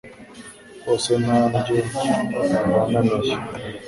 hose, nta ndyo yahwana na yo.